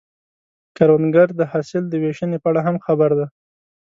کروندګر د حاصل د ویشنې په اړه هم خبر دی